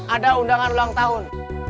ada undangan ulang tahun